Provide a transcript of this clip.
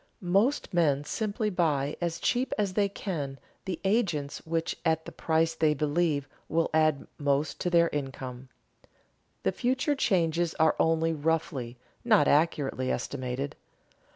Most men simply buy as cheap as they can the agents which at the price they believe will add most to their income. The future changes are only roughly, not accurately estimated.